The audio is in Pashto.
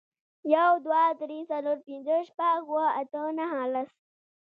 یو, دوه, درې, څلور, پنځه, شپږ, اووه, اته, نهه, لس